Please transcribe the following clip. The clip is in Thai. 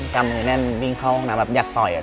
กำมือแน่นวิ่งเข้าห้องน้ำแบบอยากต่อย